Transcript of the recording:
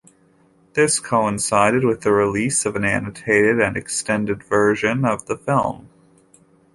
This coincided with the release of an annotated and extended version of the film.